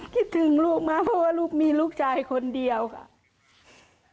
คิดถึงลูกมากเพราะว่าลูกมีลูกชายคนเดียวค่ะ